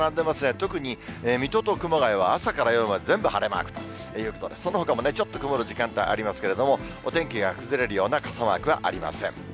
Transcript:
特に水戸と熊谷は朝から夜まで全部晴れマークということで、そのほかもちょっと曇る時間帯ありますけれども、お天気が崩れるような傘マークはありません。